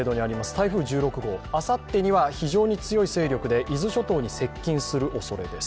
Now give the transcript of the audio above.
台風１６号、あさってには非常に強い勢力で伊豆諸島に接近するおそれです。